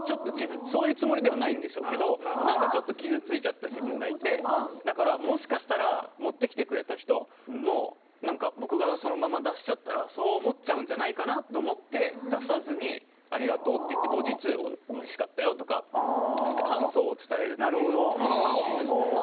そういうつもりではないんでしょうけどもちょっと傷ついちゃった自分がいてだから、もしかしたら持ってきてくれた人も僕がそのまま出しちゃったらそう思っちゃうんじゃないかなと思って出さずにありがとうって後日、おいしかったよとかって感想を伝えるという感じですね。